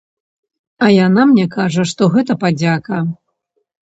А яна мне кажа, што гэта падзяка.